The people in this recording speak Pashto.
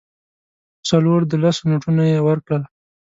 څلور د لسو نوټونه یې ورکړل.